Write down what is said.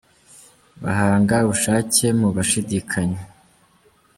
Bahanga ubushake mu bashidikanya